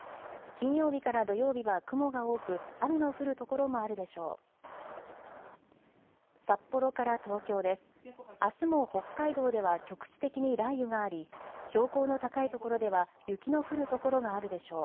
金曜日から土曜日は雲が多く雨の降る所もあるでしょう。